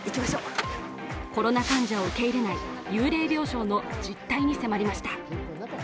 コロナ患者を受け入れない幽霊病床の実態に迫りました。